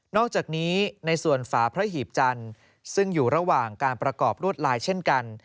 อกจากนี้ในส่วนฝาพระหีบจันทร์ซึ่งอยู่ระหว่างการประกอบรวดลายเช่นกัน